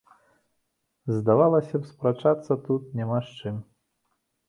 Здавалася б, спрачацца тут няма з чым.